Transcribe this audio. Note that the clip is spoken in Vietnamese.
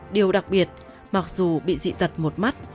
điều đặc biệt mặc dù bị dị tật một mắt